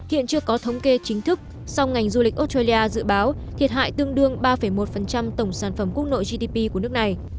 hiện chưa có thống kê chính thức song ngành du lịch australia dự báo thiệt hại tương đương ba một tổng sản phẩm quốc nội gdp của nước này